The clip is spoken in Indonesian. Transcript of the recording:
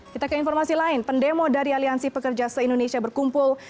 kita ke informasi lain pendemo dari aliansi pekerja se indonesia berkumpul